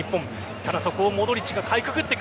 ただ、そこをモドリッチがかいくぐってく。